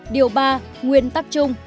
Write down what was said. điều ba nguyên tắc chung